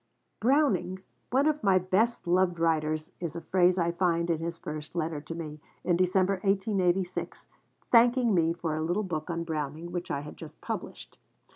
'Browning, one of my best loved writers,' is a phrase I find in his first letter to me, in December 1886, thanking me for a little book on Browning which I had just published.